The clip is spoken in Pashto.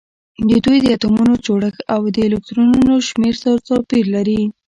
د دوی د اتومونو جوړښت او د الکترونونو شمیر سره توپیر لري